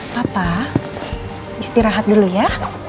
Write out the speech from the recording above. papa istirahat dulu ya